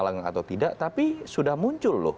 langgang atau tidak tapi sudah muncul